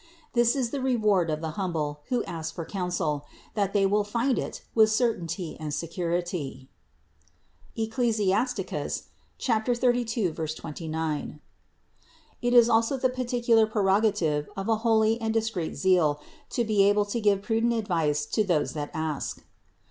This is the reward of the humble, who ask for counsel : that they will find it with certainty and security (Eccli. 32, 29). It is also the peculiar prerogative of a holy and discreet zeal to be able to give prudent advice to those that ask.